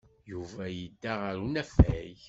Yuba yedda ɣer unafag.